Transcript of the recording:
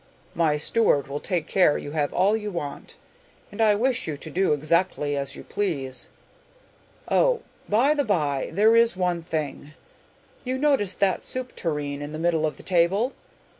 My steward will take care you have all you want, and I wish you to do exactly as you please. Oh, by the bye, there is one thing! You notice that soup tureen in the middle of the table?